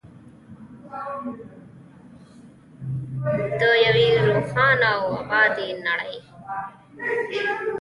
د یوې روښانه او ابادې نړۍ.